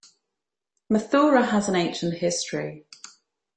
Mathura has an ancient history.